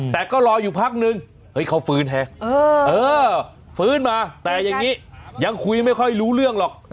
แต่ก็รออยู่พักนึงเขาฟื้นฮะฟื้นมาแต่อย่างนี้ยังคุยไม่ค่อยรู้เรื่องหรอก